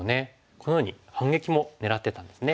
このように反撃も狙ってたんですね。